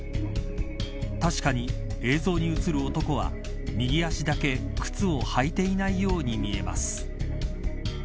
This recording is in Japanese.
確かに映像に映る男は右足だけ靴を履いていないように見えます。